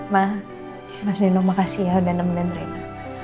ma mas nino makasih ya udah nemenin rena